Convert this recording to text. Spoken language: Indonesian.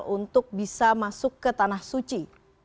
untuk bisa masuk ke tanah suci